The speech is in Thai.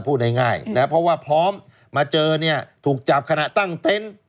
พูดง่ายนะเพราะว่าพร้อมมาเจอเนี่ยถูกจับขณะตั้งเต็นต์